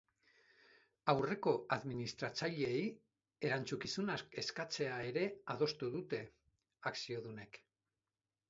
Aurreko administratzaileei erantzunkizunak eskatzea ere adostu dute akziodunek.